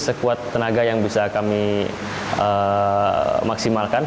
sekuat tenaga yang bisa kami maksimalkan